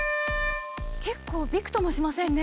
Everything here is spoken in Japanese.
結構びくともしませんね。